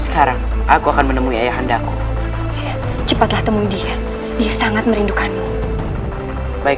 karena aku tidak ikut berjuang bersama dengan para prajurit